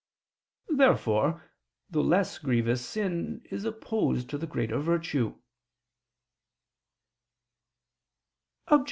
Therefore the less grievous sin is opposed to the greater virtue.